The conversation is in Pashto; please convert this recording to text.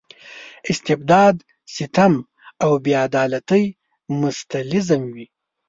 استبداد ستم او بې عدالتۍ مستلزم وي.